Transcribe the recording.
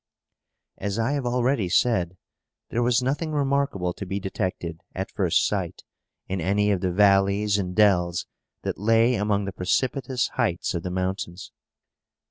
As I have already said, there was nothing remarkable to be detected, at first sight, in any of the valleys and dells that lay among the precipitous heights of the mountains.